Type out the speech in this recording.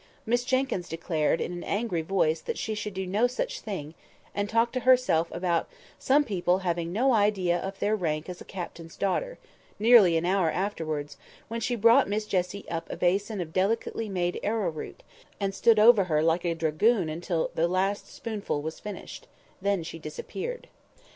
Miss Jenkyns declared, in an angry voice, that she should do no such thing; and talked to herself about "some people having no idea of their rank as a captain's daughter," nearly an hour afterwards, when she brought Miss Jessie up a basin of delicately made arrowroot, and stood over her like a dragoon until the last spoonful was finished: then she disappeared.